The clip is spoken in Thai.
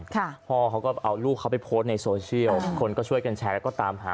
พ่อเขาก็เอาลูกเขาไปโพสต์ในโซเชียลคนก็ช่วยกันแชร์แล้วก็ตามหา